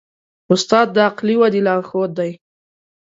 استاد د عقلي ودې لارښود دی.